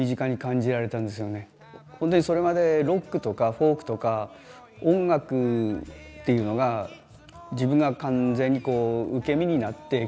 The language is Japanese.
ほんでそれまでロックとかフォークとか音楽っていうのが自分が完全にこう受け身になって聴くものだったんですよね。